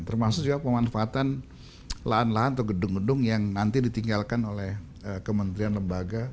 termasuk juga pemanfaatan lahan lahan atau gedung gedung yang nanti ditinggalkan oleh kementerian lembaga